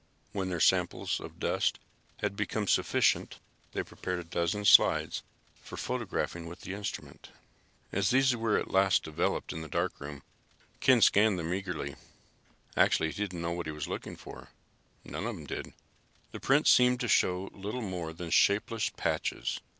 When their samples of dust had become sufficient they prepared a dozen slides for photographing with the instrument. As these were at last developed in the darkroom, Ken scanned them eagerly. Actually, he did not know what he was looking for. None of them did. The prints seemed to show little more than shapeless patches.